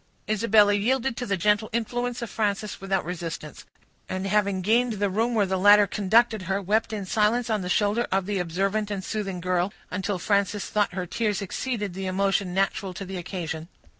Isabella yielded to the gentle influence of Frances without resistance; and, having gained the room where the latter conducted her, wept in silence on the shoulder of the observant and soothing girl, until Frances thought her tears exceeded the emotion natural to the occasion.